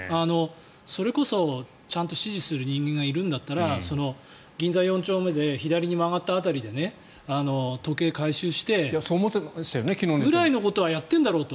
それこそ、ちゃんと指示する人間がいるんだったら銀座４丁目で左に曲がった辺りで時計回収してぐらいのことはやってるんだろうと。